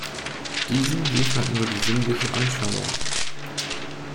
Diesen liefert nur die sinnliche Anschauung.